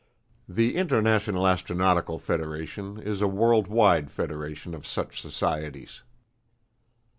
The International Astronautical Federation is a world wide federation of such societies.